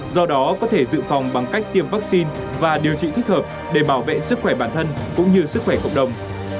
do đó có thể dự phòng bằng cách tiêm vaccine và điều trị thích hợp để bảo vệ sức khỏe bản thân cũng như sức khỏe cộng đồng